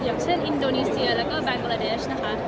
อย่างเช่นอินโดนีเซียแล้วก็แบงโกลาเดชนะคะ